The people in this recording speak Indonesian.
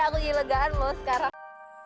aku nyelegahan mau sekarang